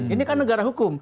ini kan negara hukum